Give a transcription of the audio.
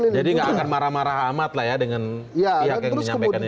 jadi nggak akan marah marah amat lah ya dengan pihak yang menyampaikan ini